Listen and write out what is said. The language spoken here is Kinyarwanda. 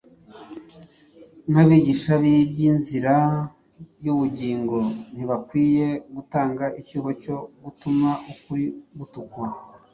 Nk’abigisha b’iby’inzira y’ubugingo, ntibakwiye gutanga icyuho cyo gutuma ukuri gutukwa.